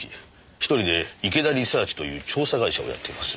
１人で池田リサーチという調査会社をやっています。